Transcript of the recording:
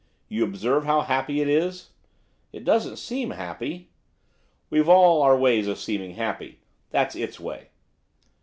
You observe how happy it is?' 'It don't seem happy.' 'We've all our ways of seeming happy, that's its way.